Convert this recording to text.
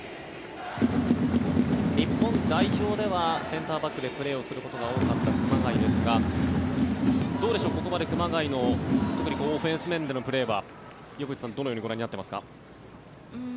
日本代表ではセンターバックでプレーをすることが多かった熊谷ですがどうでしょう、ここまで熊谷の特にオフェンス面でのプレーは岩渕さん、どのようにご覧になっていますか？